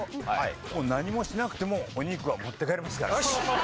もう何もしなくてもお肉は持って帰れますから。